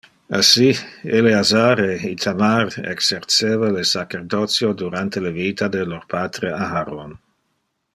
Assi Eleazar e Ithamar exerceva le sacerdotio durante le vita de lor patre Aharon.